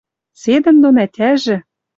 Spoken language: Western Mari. Седӹндон ӓтяжӹ